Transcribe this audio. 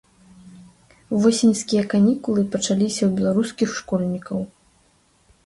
Восеньскія канікулы пачаліся ў беларускіх школьнікаў.